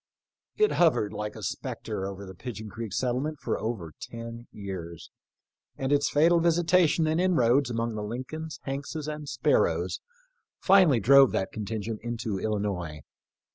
It hovered like a spectre over the Pig eon creek settlement for over ten years, and its fatal visitation and inroads among the Lincolns, Hankses, and Sparrows finally drove that contin gent into Illinois.